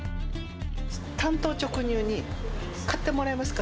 単刀直入に買ってもらえますか？